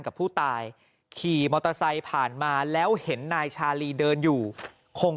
กับผู้ตายขี่มอเตอร์ไซค์ผ่านมาแล้วเห็นนายชาลีเดินอยู่คง